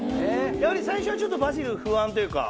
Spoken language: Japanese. やはり最初はちょっとバジル不安というか？